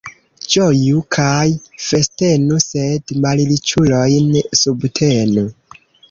Ĝoju kaj festenu, sed malriĉulojn subtenu.